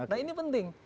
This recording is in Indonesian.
nah ini penting